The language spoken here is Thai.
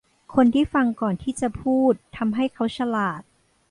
คนที่ฟังก่อนที่จะพูดทำให้เขาฉลาด